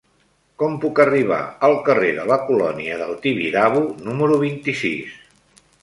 Com puc arribar al carrer de la Colònia del Tibidabo número vint-i-sis?